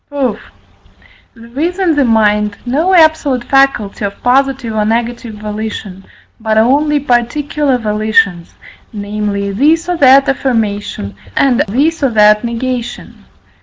Proof. There is in the mind no absolute faculty of positive or negative volition, but only particular volitions, namely, this or that affirmation, and this or that negation.